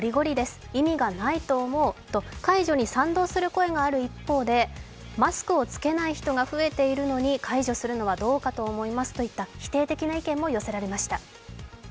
と解除に賛同する声がある一方で、マスクを着けていない人が増えているのに解除するのはどうかと思いますという否定的な意見も寄せられました。